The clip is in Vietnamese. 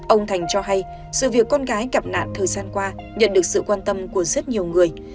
ông thành cho hay sự việc con gái gặp nạn thời gian qua nhận được sự quan tâm của rất nhiều người